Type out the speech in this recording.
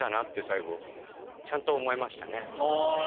最後ちゃんと思えましたね。